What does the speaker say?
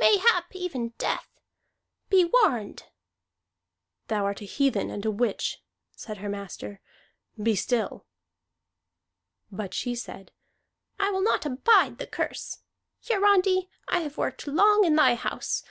Mayhap even death. Be warned!" "Thou art a heathen and a witch," said her master. "Be still!" But she said: "I will not abide the curse. Hiarandi, I have worked long in thy house.